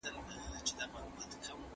سندرې به خبرې اسانه کړي.